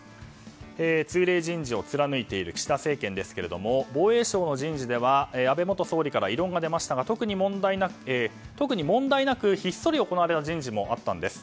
通例人事を貫いている岸田政権ですが防衛省の人事では安倍元総理から異論が出ましたが、特に問題なくひっそり行われた人事もあったんです。